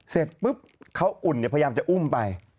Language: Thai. เสร็จปุ๊บเขาอุ่นพยายามจะอุ้มไป